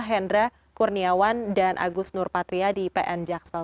hendra kurniawan dan agus nur patria di pn jaksal